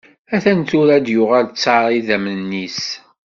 A-t-an tura, ad d-yuɣal ttaṛ n idammen-is.